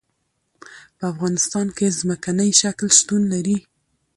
په افغانستان کې ځمکنی شکل شتون لري.